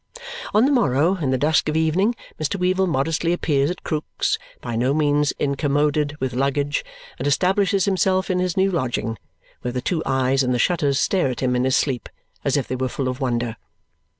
On the morrow, in the dusk of evening, Mr. Weevle modestly appears at Krook's, by no means incommoded with luggage, and establishes himself in his new lodging, where the two eyes in the shutters stare at him in his sleep, as if they were full of wonder.